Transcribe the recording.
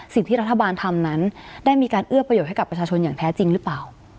สิ่งที่รัฐบาลทำนั้นได้มีการเอื้อประโยชน์ให้กับประชาชนอย่างแท้จริงหรือเปล่า